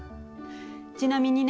ちなみにね